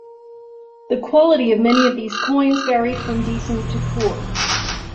The quality of many of these coins varied from decent to poor.